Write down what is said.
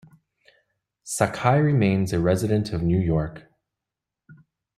Sakhai remains a resident of New York.